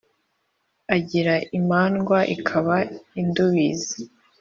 Agira imandwa ikaba indubizi